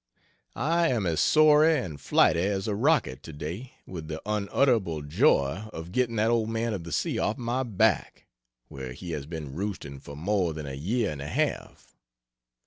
I am as soary (and flighty) as a rocket, to day, with the unutterable joy of getting that Old Man of the Sea off my back, where he has been roosting for more than a year and a half.